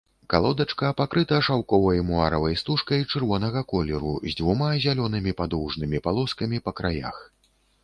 Калодачка пакрыта шаўковай муаравай стужкай чырвонага колеру з дзвюма зялёнымі падоўжнымі палоскамі па краях.